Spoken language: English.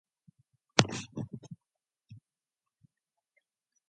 This was the first appearance of "The Next Generation" era Starfleet dress uniforms.